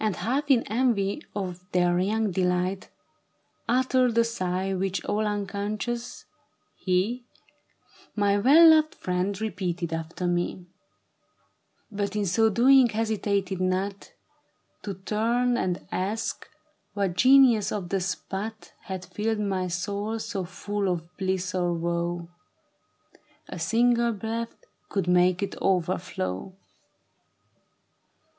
i h lf in en\ y of their young delight, Uttered a sigh which all unconscious, he, ;My well loved friend repeated after me ; But in so doing hesitated not To turn and ask what genius of the spot Had filled my soul so full cf bliss or woe, A single breath could make it overflow.